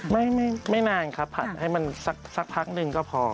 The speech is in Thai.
ไม่ไม่นานค่ะผ่าให้มันพักนึงก็พอ